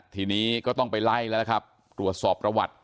ทีนี้ก็ต้องไปไล่แล้วนะครับตรวจสอบประวัติ